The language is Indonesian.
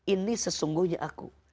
ini sesungguhnya aku